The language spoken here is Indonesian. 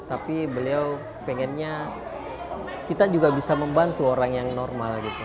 tapi beliau pengennya kita juga bisa membantu orang yang normal gitu